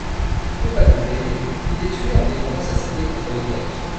Compagnon d'Énée, il est tué en défendant sa cité contre les Grecs.